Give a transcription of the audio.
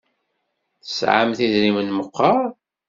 Tesɛamt idrimen meqqar?